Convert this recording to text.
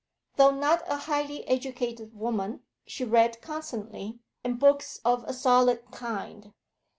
Though not a highly educated woman, she read constantly, and books of a solid kind.